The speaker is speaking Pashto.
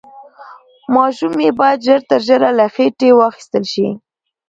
ماشوم يې بايد ژر تر ژره له خېټې واخيستل شي.